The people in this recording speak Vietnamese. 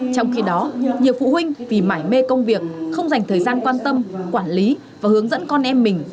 trong khi đó nhiều phụ huynh vì mải mê công việc không dành thời gian quan tâm quản lý và hướng dẫn con em mình